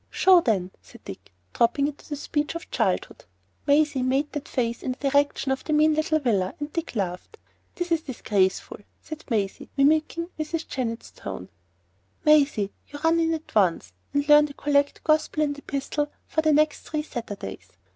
"Show, then," said Dick, dropping into the speech of childhood. Maisie made that face in the direction of the mean little villa, and Dick laughed. ""This is disgraceful,"' said Maisie, mimicking Mrs. Jennett's tone. ""Maisie, you run in at once, and learn the collect, gospel, and epistle for the next three Sundays.